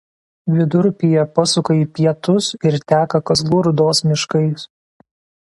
Vidurupyje pasuka į pietus ir teka Kazlų Rūdos miškais.